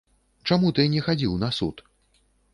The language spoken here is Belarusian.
Чаму ты не хадзіў на суд?!.